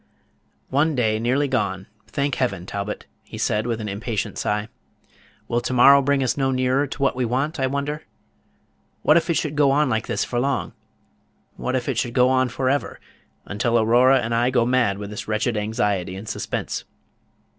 "One day nearly gone, thank Heaven, Talbot!" he said, with an impatient sigh. "Will to morrow bring us no nearer to what we want, I wonder? What if it should go on like this for long? what if it should go on for ever, until Aurora and I go mad with this wretched anxiety and suspense?